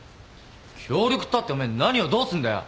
協力ったってお前何をどうすんだよ。